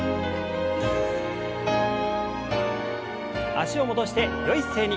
脚を戻してよい姿勢に。